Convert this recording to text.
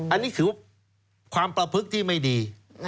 อันนี้คือความประพฤกษ์ที่ไม่ดี